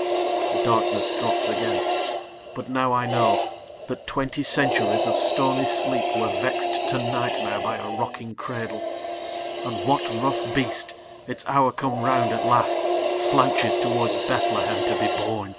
The darkness drops again but now I know That twenty centuries of stony sleep Were vexed to nightmare by a rocking cradle, And what rough beast, its hour come round at last, Slouches towards Bethlehem to be born?